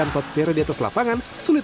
dan tetap tertata dengan baik